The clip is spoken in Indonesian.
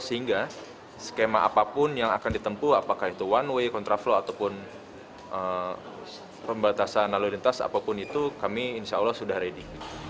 sehingga skema apapun yang akan ditempu apakah itu one way contraflow ataupun pembatasan lalu lintas apapun itu kami insya allah sudah ready